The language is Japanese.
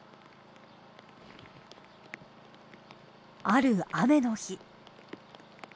ある雨の日。